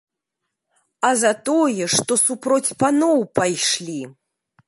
А за тое, што супроць паноў пайшлі!